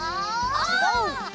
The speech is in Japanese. オ！